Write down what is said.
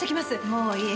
もういい。